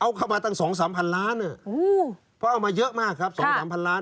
เอาเข้ามาตั้ง๒๓พันล้านเพราะเอามาเยอะมากครับ๒๓พันล้าน